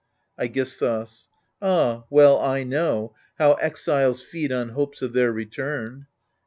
iEGISTHUS Ah, well I know how exiles feed on hopes of their return.